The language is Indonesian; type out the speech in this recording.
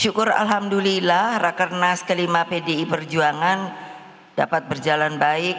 syukur alhamdulillah raker nas kelima pdi perjuangan dapat berjalan baik